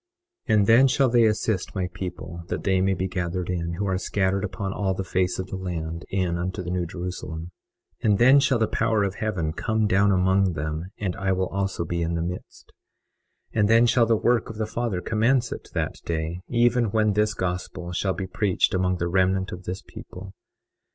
21:24 And then shall they assist my people that they may be gathered in, who are scattered upon all the face of the land, in unto the New Jerusalem. 21:25 And then shall the power of heaven come down among them; and I also will be in the midst. 21:26 And then shall the work of the Father commence at that day, even when this gospel shall be preached among the remnant of this people.